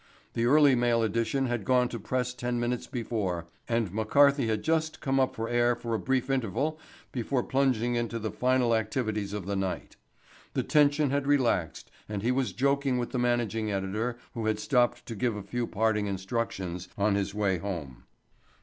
The early mail edition had gone to press ten minutes before and McCarthy had just come up for air for a brief interval before plunging into the final activities of the night. The tension had relaxed and he was joking with the managing editor who had stopped to give a few parting instructions on his way home.